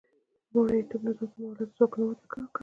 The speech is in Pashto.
په مرئیتوب نظام کې مؤلده ځواکونو وده وکړه.